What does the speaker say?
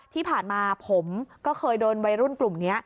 ที่ผ่านมาผมก็เคยโดนวัยรุ่นกลุ่มนี้